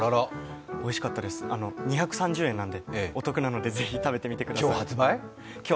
おいしかったです、２３０円なのでお得なのでぜひ食べてみてください。